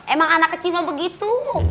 emang anak kecil mau begitu